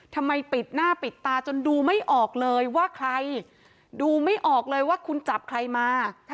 ทำไมปิดหน้าปิดตาจนดูไม่ออกเลยว่าใครดูไม่ออกเลยว่าคุณจับใครมา